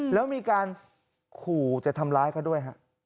แล้วมีการขู่จะทำร้ายเขาด้วยฮะ